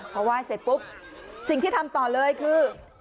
พอไหว้เสร็จปุ๊บสิ่งที่ทำต่อเลยคือ